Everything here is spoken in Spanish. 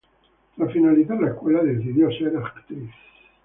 Tras finalizar la escuela decidió ser actriz.